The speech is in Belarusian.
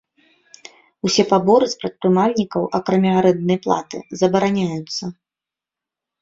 Усе паборы з прадпрымальнікаў, акрамя арэнднай платы, забараняюцца.